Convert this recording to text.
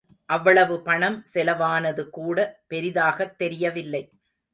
அவ்வளவு பணம் செலவானது கூட பெரிதாகத் தெரியவில்லை.